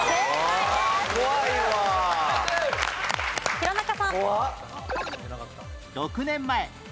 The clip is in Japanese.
弘中さん。